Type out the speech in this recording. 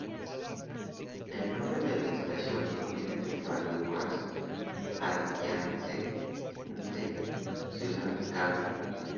El nombre de la estación proviene del barrio más adyacente, Ciudad Capri.